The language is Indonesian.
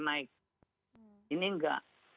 naik ini enggak